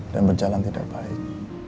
dan berjalan tidak baik